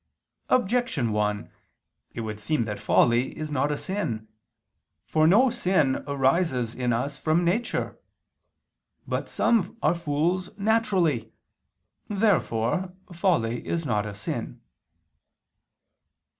Objection 1: It would seem that folly is not a sin. For no sin arises in us from nature. But some are fools naturally. Therefore folly is not a sin.